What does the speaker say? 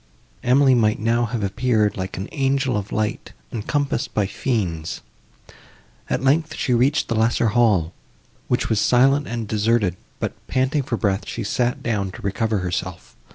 Emily might now have appeared, like an angel of light, encompassed by fiends. At length, she reached the lesser hall, which was silent and deserted, but, panting for breath, she sat down to recover herself.